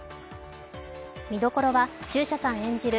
見どころは中車さん演じる